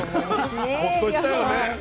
ホッとしたよね。